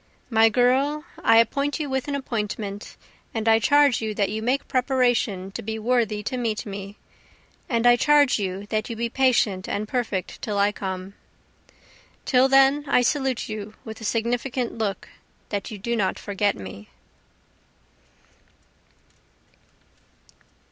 My girl I appoint with you an appointment, and I charge you that you make preparation to be worthy to meet me, And I charge you that you be patient and perfect till I come. Till then I salute you with a significant look that you do not forget me.